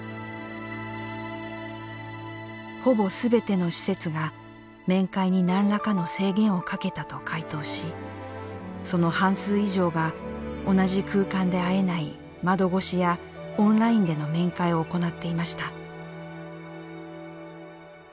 ほぼすべての施設が面会になんらかの制限をかけたと回答しその半数以上が同じ空間で会えない窓越しやオンラインでの面会を行っていました。